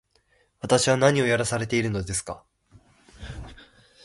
私は何をやらされているのですか